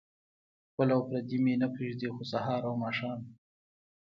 خپل او پردي مې نه پرېږدي خو سهار او ماښام.